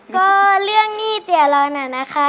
ก็เรื่องหนี้เตี๋ยเราน่ะนะคะ